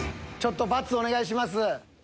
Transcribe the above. ちょっと罰お願いします。